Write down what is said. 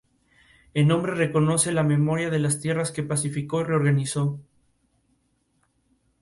El nombre reconoce la memoria de las tierras que pacificó y reorganizó.